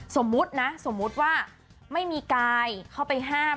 สมมุตินะสมมุติว่าไม่มีกายเข้าไปห้าม